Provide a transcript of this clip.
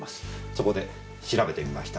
そこで調べてみました。